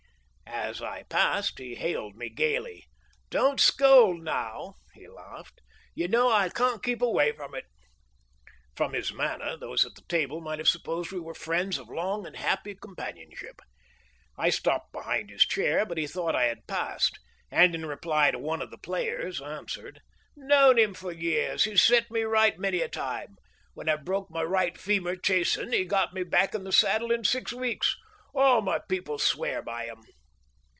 As I passed he hailed me gayly. "Don't scold, now," he laughed; "you know I can't keep away from it." From his manner those at the table might have supposed we were friends of long and happy companionship. I stopped behind his chair, but he thought I had passed, and in reply to one of the players answered: "Known him for years; he's set me right many a time. When I broke my right femur 'chasin,' he got me back in the saddle in six weeks. All my people swear by him."